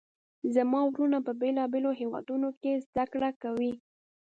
زما وروڼه په بیلابیلو هیوادونو کې زده کړه کوي